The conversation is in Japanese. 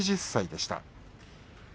８０歳でした。